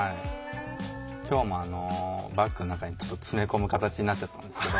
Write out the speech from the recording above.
今日もバッグの中にちょっと詰め込む形になっちゃったんですけど。